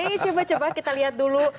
ini coba coba kita lihat dulu